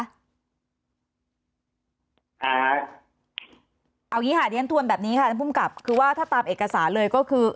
เอาอย่างนี้ค่ะเรียนทวนแบบนี้ค่ะท่านภูมิกับคือว่าถ้าตามเอกสารเลยก็คือ